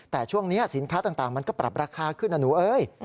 แต่ช่วงนี้สินค้าต่างมันก็ปรับราคาขึ้นนะหนูเอ้ย